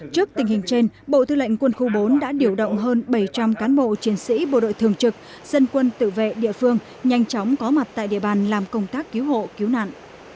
trước tình hình trên bộ thư lệnh quân khu bốn đã điều động hơn bảy trăm linh cán bộ chiến sĩ bộ đội thường trực dân quân tự vệ địa phương nhanh chóng có mặt tại địa bàn làm công tác cứu hộ cứu nạn